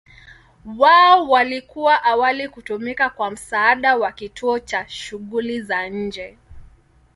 Wao walikuwa awali kutumika kwa msaada wa kituo cha shughuli za nje.